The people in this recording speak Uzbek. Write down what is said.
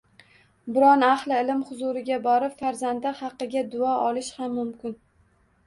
Biron ahli ilm huzuriga borib, farzandi haqiga duo olish ham mumkin.